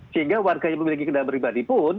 sehingga warga yang memiliki kendaraan pribadi pun